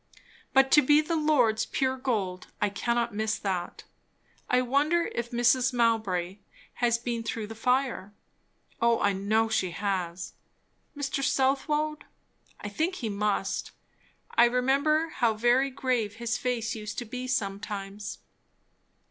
But to be the Lord's pure gold I cannot miss that. I wonder if Mrs. Mowbray has been through the fire? Oh I know she has. Mr. Southwode? I think he must. I remember how very grave his face used to be sometimes.